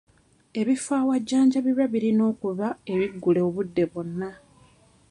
Ebifo awajjanjabirwa birina okuba ebiggule obudde bwonna.